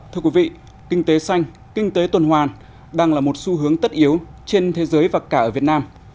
thưa quý vị kinh tế xanh kinh tế tuần hoàn đang là một xu hướng tất yếu trên thế giới và cả ở việt nam